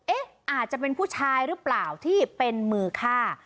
อาจจะเป็นผู้ชายหรือเปล่าที่เป็นมือฆ่า